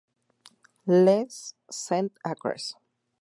Les Cent-Acres